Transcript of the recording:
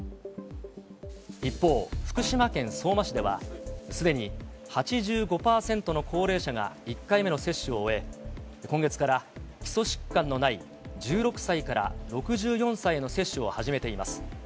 一方、福島県相馬市では、すでに８５％の高齢者が１回目の接種を終え、今月から基礎疾患のない１６歳から６４歳の接種を始めています。